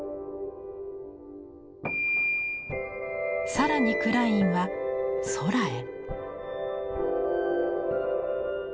更にクラインは空へ。